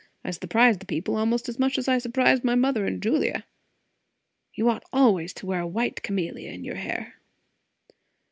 I surprised the people, almost as much as I surprised my mother and Julia. You ought always to wear a white camellia in your hair!"